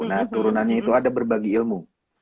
nah turunannya itu ada berbagi ilmu